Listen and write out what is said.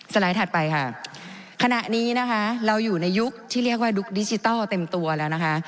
ไลด์ถัดไปค่ะขณะนี้นะคะเราอยู่ในยุคที่เรียกว่าดุ๊กดิจิทัลเต็มตัวแล้วนะคะ